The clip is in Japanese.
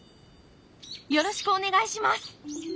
よろしくお願いします。